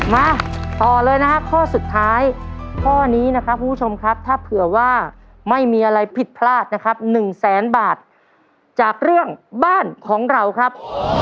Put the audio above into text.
มาต่อเลยนะฮะข้อสุดท้ายข้อนี้นะครับคุณผู้ชมครับถ้าเผื่อว่าไม่มีอะไรผิดพลาดนะครับ๑แสนบาทจากเรื่องบ้านของเราครับ